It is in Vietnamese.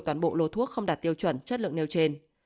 toàn bộ lô thuốc không đạt tiêu chuẩn chất lượng nêu trên